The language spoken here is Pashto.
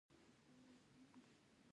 پوهنتونونه پښتو ته مقاله نه ده ورکړې.